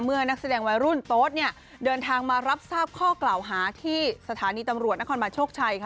นักแสดงวัยรุ่นโต๊ดเนี่ยเดินทางมารับทราบข้อกล่าวหาที่สถานีตำรวจนครบานโชคชัยค่ะ